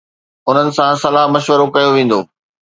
انهن سان صلاح مشورو ڪيو ويندو